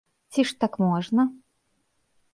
Ці ж так можна?